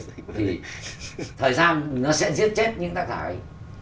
thì thời gian nó sẽ giết chết những tác giả ấy